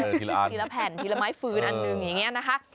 ทีละทีละแผ่นทีละไม้ฟื้นอันหนึ่งอย่างนี้นะคะ